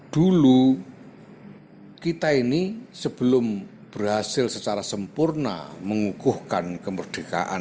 dulu kita ini sebelum berhasil secara sempurna mengukuhkan kemerdekaan